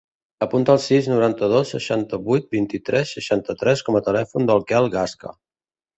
Apunta el sis, noranta-dos, seixanta-vuit, vint-i-tres, seixanta-tres com a telèfon del Quel Gasca.